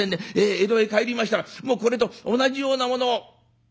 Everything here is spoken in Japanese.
江戸へ帰りましたらもうこれと同じようなものを。